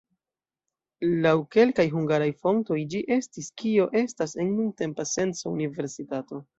Laŭ kelkaj hungaraj fontoj ĝi estis kio estas en nuntempa senco universitato.